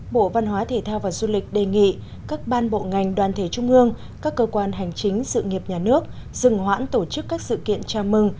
bộ văn hóa thể thao và du lịch đề nghị các ban bộ ngành đoàn thể trung ương các cơ quan hành chính sự nghiệp nhà nước dừng hoãn tổ chức các sự kiện chào mừng